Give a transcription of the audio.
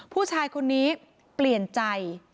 ผู้ชายคนนี้เปลี่ยนใจ